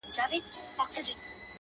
زه چي هر څومره زړيږم حقیقت را څرګندیږي٫